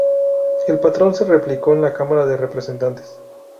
El patrón se replicó en la Cámara de Representantes.